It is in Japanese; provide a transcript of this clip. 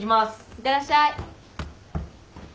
いってらっしゃい。